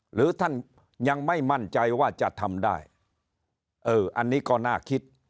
หรือท่านยังไม่มั่นใจว่าจะทำได้เอออันนี้ก็น่าคิด